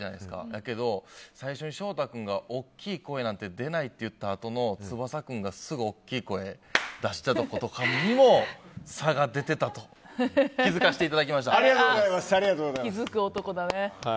やけど、最初に翔太君が大きい声なんて出ないって言ったあとの翼君が大きい声出したところとかにも差が出てたと気づかせていただきました。